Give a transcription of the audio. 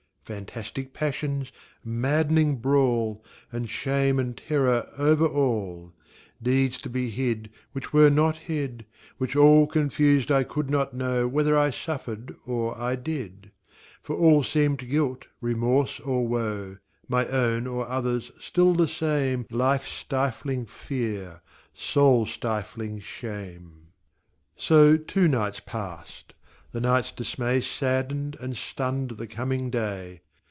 Fantastic passions ! maddening brawl ! And shame and terror over all ! Deeds to be hid which were not hid, Which all confused I could not know Whether I suffered, or I did : For all seemed guilt, remorse or woe, My own or others still the same Life stifling fear, soul stifling shame. So two nights passed : the night's dismay Saddened and stunned the coming day.